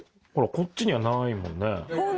こっちにはないもんね